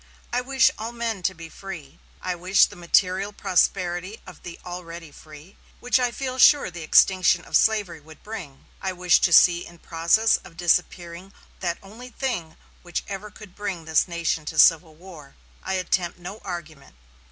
I wish all men to be free. I wish the material prosperity of the already free, which I feel sure the extinction of slavery would bring. I wish to see in process of disappearing that only thing which ever could bring this nation to civil war. I attempt no argument.